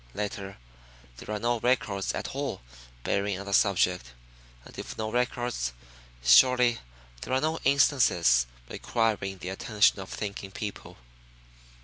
Later, there are no records at all bearing on the subject. And if no records, surely there are no instances requiring the attention of thinking people.